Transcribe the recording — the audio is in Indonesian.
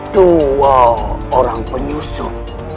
dua orang penyusup